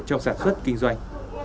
trong sản xuất kinh doanh